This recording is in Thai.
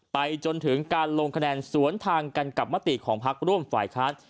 ไปจนถึงการลงคะแนนสวนทางกันกับมติของพักร่วมฝ่ายค้าน